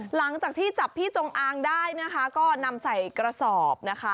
หลังจากที่จับพี่จงอางได้นะคะก็นำใส่กระสอบนะคะ